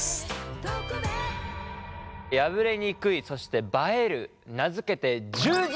破れにくいそして映える名付けて十字